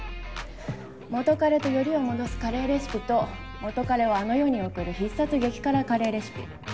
「元カレとヨリを戻すカレーレシピ」と「元カレをあの世に送る必殺激辛カレーレシピ」